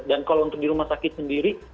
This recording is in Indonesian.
dan kalau untuk di rumah sakit sendiri